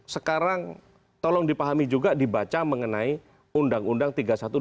sekarang tolong dipahami juga dibaca mengenai undang undang tiga puluh satu dua ribu